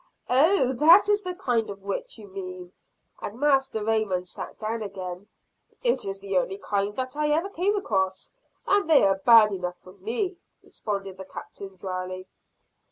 "Oh! That is the kind of witch you mean!" and Master Raymond sat down again. "It is the only kind that I ever came across and they are bad enough for me," responded the Captain drily.